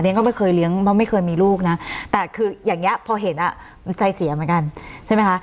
ก็ไม่เคยเลี้ยงเพราะไม่เคยมีลูกนะแต่คืออย่างนี้พอเห็นอ่ะมันใจเสียเหมือนกันใช่ไหมคะ